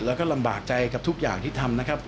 แล้วก็ลำบากใจกับทุกอย่างที่ทำนะครับ